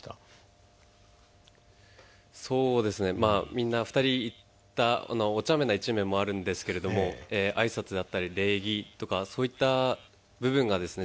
みんな２人言ったおちゃめな一面もあるんですけれども挨拶だったり礼儀とかそういった部分がですね